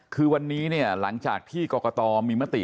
คือวันนี้เนี่ยหลังจากที่กรกตมีมติ